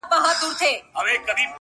که دي نه وي زده ټول عمر دي تباه دی،